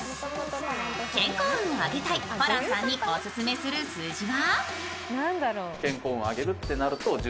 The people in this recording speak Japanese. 健康運を上げたいホランさんにオススメする数字は？